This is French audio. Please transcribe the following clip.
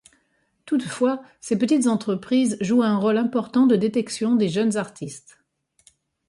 Toutefois, ces petites entreprises jouent un rôle important de détection des jeunes artistes.